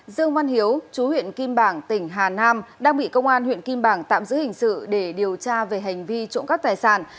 dương văn hiếu chú huyện kim bảng tỉnh hà nam đang bị công an huyện kim bảng tạm giữ hình sự để điều tra về hành vi trộm cắp tài sản